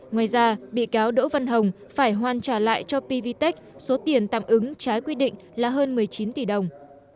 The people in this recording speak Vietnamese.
ngoài ra bị cáo đỗ văn hồng phải hoàn trả lại cho pvtec số tiền tạm ứng trái quy định là hơn một mươi chín tỷ đồng